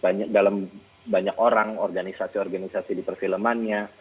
bisa dalam banyak orang organisasi organisasi di perfilman nya